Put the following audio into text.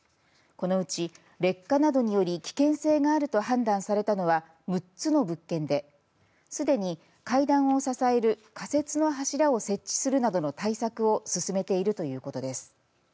このうち、劣化などにより危険性があると判断されたのは６つの物件ですでに階段を支える仮設の柱を設置するなどの対策を進めているということです。